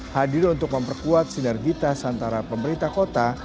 hadir untuk memperkuat sinergitas antara pemerintah kota